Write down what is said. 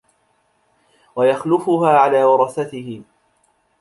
وَيَخْلُفُهَا عَلَى وَرَثَتِهِ